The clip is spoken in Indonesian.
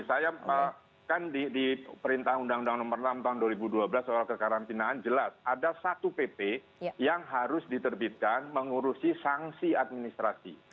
saya kan di perintah undang undang nomor enam tahun dua ribu dua belas soal kekarantinaan jelas ada satu pp yang harus diterbitkan mengurusi sanksi administrasi